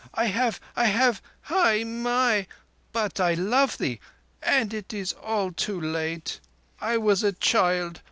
I have—I have ... Hai mai! But I love thee ... and it is all too late ... I was a child